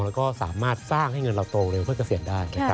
แล้วก็สามารถสร้างให้เงินเราโตเร็วเพื่อเกษียณได้